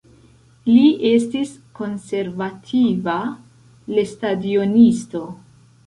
Li estis konservativa lestadionisto.